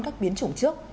các biến chủng trước